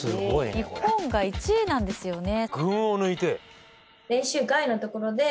日本が１位なんですよね。